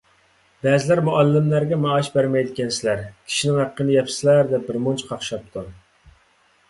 بەزىلەر: «مۇئەللىملەرگە مائاش بەرمەيدىكەنسىلەر، كىشىنىڭ ھەققىنى يەپسىلەر» دەپ بىرمۇنچە قاقشاپتۇ.